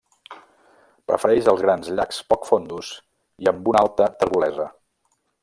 Prefereix els grans llacs poc fondos i amb una alta terbolesa.